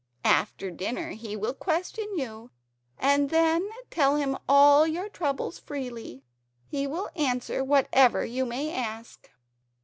After dinner he will question you, and then tell him all your troubles freely. He will answer whatever you may ask."